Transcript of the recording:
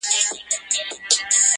په څو ځلي مي ستا د مخ غبار مات کړی دی.